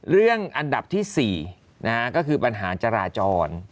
เรื่องอันดับที่๔นะฮะก็คือปัญหาจราจร